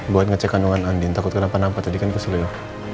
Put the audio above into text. buat ngecek kandungan andin takut kenapa nampak tadi kan kesulitan